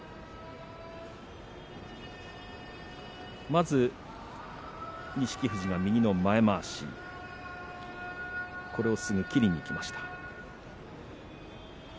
まず錦富士が右の前まわしこれをすぐ切りにいきました。